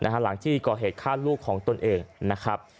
หลังที่ก่อเหตุฆ่าลูกของตนเองนะครับ